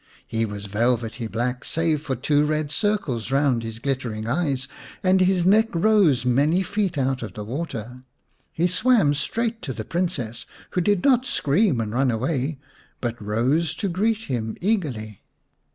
He was velvety black, save for two red circles round his glittering eyes, and his neck rose many feet out of the water. He swam straight to the Princess, who did not scream and run away but rose to greet him eagerly.